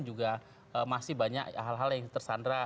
juga masih banyak hal hal yang tersandra